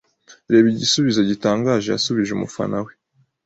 Reba igisubizo gitangaje yasubije umufana we